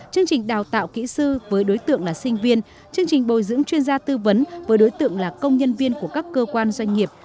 chương trình đào tạo kỹ sư với đối tượng là sinh viên chương trình bồi dưỡng chuyên gia tư vấn với đối tượng là công nhân viên của các cơ quan doanh nghiệp